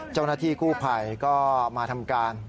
เจ้าหน้าที่กู้ภัยก็มาทำการ